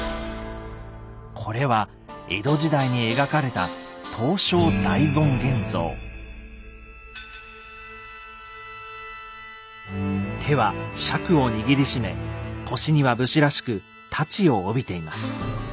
これは江戸時代に描かれた手は笏を握りしめ腰には武士らしく太刀を帯びています。